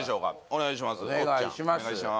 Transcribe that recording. お願いします